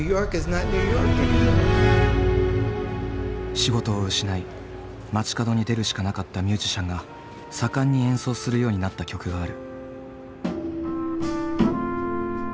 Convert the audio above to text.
仕事を失い街角に出るしかなかったミュージシャンが盛んに演奏するようになった曲がある。